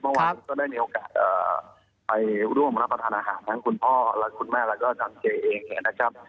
เมื่อวานก็ได้มีโอกาสไปร่วมรับประทานอาหารทั้งคุณพ่อและคุณแม่แล้วก็ทางเจเองเนี่ยนะครับ